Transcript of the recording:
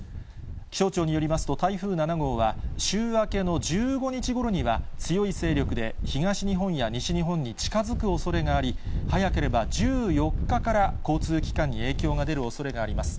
気象庁によりますと台風７号は、週明けの１５日ごろには、強い勢力で東日本や西日本に近づくおそれがあり、早ければ１４日から交通機関に影響が出るおそれがあります。